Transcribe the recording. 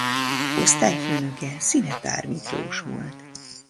Osztályfőnöke Szinetár Miklós volt.